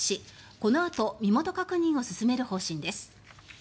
このあと身元確認を進める方針です。